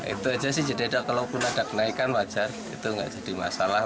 itu aja sih jadi kalaupun ada kenaikan wajar itu nggak jadi masalah